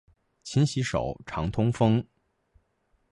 勤洗手，常通风。